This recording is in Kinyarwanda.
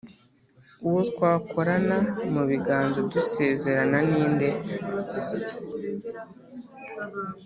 uwo twakorana mu biganza dusezerana ni nde’